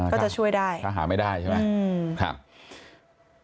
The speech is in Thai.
ก็จะช่วยได้ถ้าหาไม่ได้ใช่ไหม